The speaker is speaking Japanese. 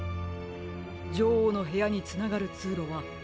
じょおうのへやにつながるつうろはどれでしょうか？